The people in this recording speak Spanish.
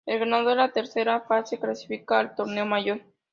El ganador de la Tercera fase clasifica al Torneo Mayor.